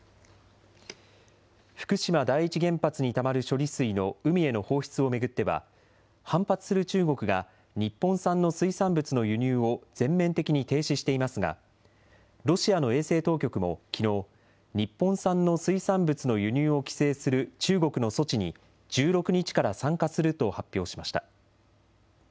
福島第一原発にたまる処理水の海への放出を巡っては、反発する中国が日本産の水産物の輸入を全面的に停止していますが、ロシアの衛生当局もきのう、日本産の水産物の輸入を規制する中国の措置に、１６日から参加すると発表しました。